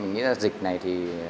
nghĩa là dịch này thì